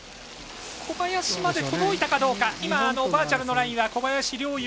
小林まで届いたかどうか、今、バーチャルのラインは小林陵